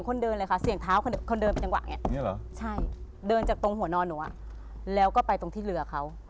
คนเดินไปจังหวะไงใช่เดินจากตรงหัวนอนหนูอ่ะแล้วก็ไปตรงที่เรือเขา